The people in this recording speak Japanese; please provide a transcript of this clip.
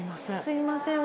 すいません。